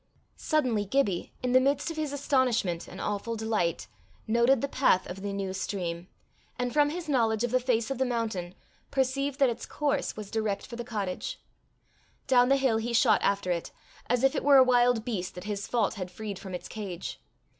Suddenly Gibbie, in the midst of his astonishment and awful delight, noted the path of the new stream, and from his knowledge of the face of the mountain, perceived that its course was direct for the cottage. Down the hill he shot after it, as if it were a wild beast that his fault had freed from its cage.